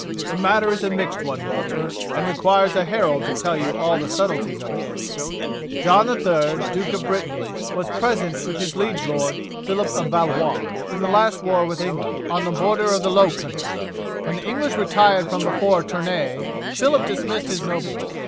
"The matter is a mixed one, Walter, and it requires a herald to tell you all the subtleties of it. John III, Duke of Brittany, was present with his liege lord, Phillip of Valois, in the last war with England, on the border of the low country. When the English retired from before Tournay Phillip dismissed his nobles.